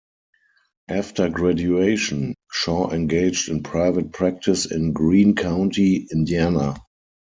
After graduation, Shaw engaged in private practice in Greene County, Indiana.